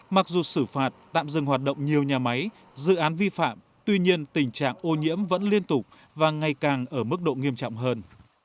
mặc dù xử phạt tạm dừng hoạt động nhiều nhà máy dự án vi phạm tuy nhiên tình trạng ô nhiễm vẫn liên tục và ngày càng ở mức độ nghiêm trọng hơn